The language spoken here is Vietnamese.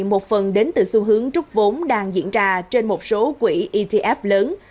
một phần đến từ xu hướng trúc vốn đang diễn ra trên một số quỹ etf lớn